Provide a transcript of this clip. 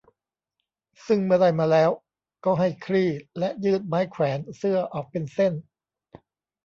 ซึ่งเมื่อได้มาแล้วก็ให้คลี่และยืดไม้แขวนเสื้อออกเป็นเส้น